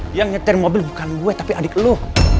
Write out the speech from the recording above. dia nyetir mobil bukan gue tapi adik lo